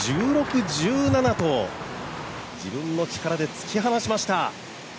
１６、１７と、自分の力で突き放しました。